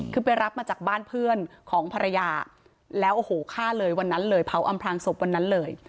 คือไปรับมาจากบ้านเพื่อนของภรรยาแล้วโอ้โหฆ่าเลยวันนั้นเลยเผาอำพลางศพวันนั้นเลย